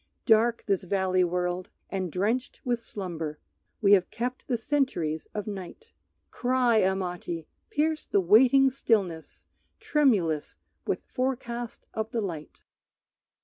Dark this valley world; and drenched with slumber We have kept the centuries of night. Cry, Amati, pierce the waiting stillness Tremulous with forecast of the light!